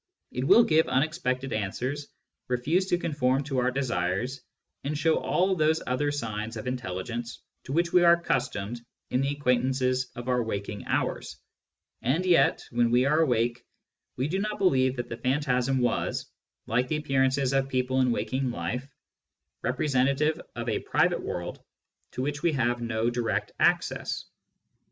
It will give unexpected answers, refuse to conform to our desires, and show all those other signs of intelligence to Digitized by Google 94 SCIENTIFIC METHOD IN PHILOSOPHY which we are accustomed in the acquaintances of our waking hours. And yet, when we are awake, we do not believe that the phantasm was, like the appearances of people in waking life, representative of a private world to which we have no direct access.